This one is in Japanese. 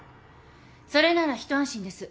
それなら一安心です。